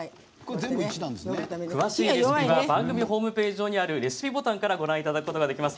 詳しいレシピは番組ホームページ上にあるレシピボタンからご覧いただけます。